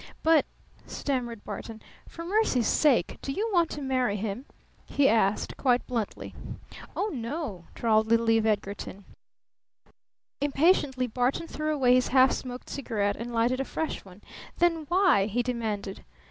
"But " stammered Barton. "For mercy's sake, do you want to marry him?" he asked quite bluntly. "Oh, no," drawled little Eve Edgarton. Impatiently Barton threw away his half smoked cigarette and lighted a fresh one. "Then why?" he demanded.